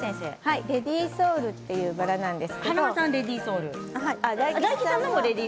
レディ・ソウルというバラなんです。